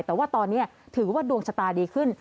แต่ว่าตอนนี้ถือว่าดวงชะตาดีขึ้น